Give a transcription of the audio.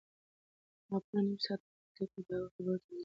ما پوره نیم ساعت په کوټه کې د هغه خبرو ته انتظار وکړ.